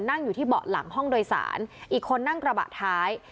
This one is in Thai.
นั่งอยู่ที่เบาะหลังห้องโดยสารอีกคนนั่งกระบะท้าย